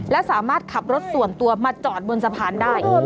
และสามารถขับรถส่วนตัวมาจอดบนสะพานได้